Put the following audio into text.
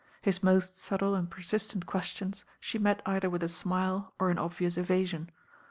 Hii most subtle and persistent questions she met either with a smile or an obvious evasion.